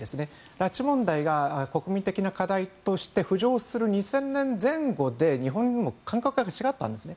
拉致問題が国民的課題として浮上する２０００年前後で日本の感覚が違ったんですね。